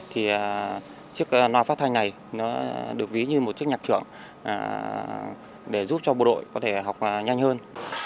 thì chiếc loa phát thanh này nó được ví như một chiếc nhạc trưởng để giúp cho bộ đội có thể học nhanh hơn